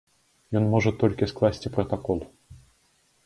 Ён можа толькі скласці пратакол.